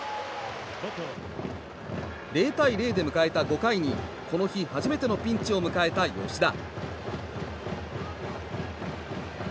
０対０で迎えた５回にこの日初めてのピンチを迎えた吉田。